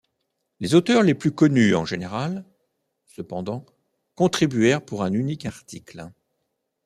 Les auteurs les plus connus, en général, cependant, contribuèrent pour un unique article.